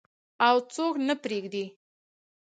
او څوک نه پریږدي.